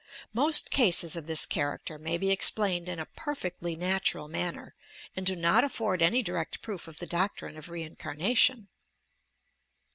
Jlost cases of this character may be explained in a perfectly natural manner, and do not afford any direct proof of the doctrine of reincarnation.